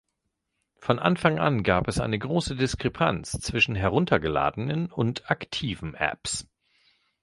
Von Anfang an gab es eine grosse Diskrepanz zwischen heruntergeladenen und „aktiven“ Apps.